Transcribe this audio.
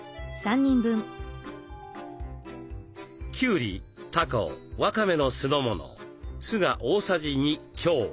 きゅうりたこわかめの酢の物酢が大さじ２強。